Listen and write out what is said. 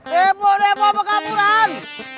debuk debuk bekapuran